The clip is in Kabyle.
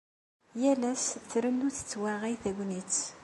Yal ass trennu tettwaɣay tegnit.